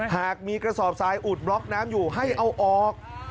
หากมีกระสอบทรายอุดบล็อกน้ำอยู่ให้เอาออก